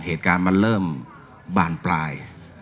เหตุการณ์มันเริ่มบานปลาย